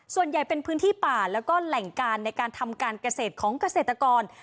ส่วนใหญ่เป็นพื้นที่ป่าแล้วก็แหล่งการในการทำการเกษตรของเกษตรกร